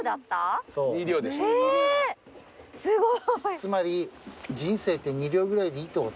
つまり人生って２両ぐらいでいいってこと。